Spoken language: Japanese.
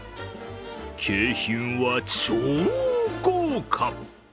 景品は超豪華。